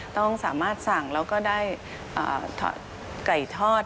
ต้องสามารถสั่งแล้วก็ได้ไก่ทอด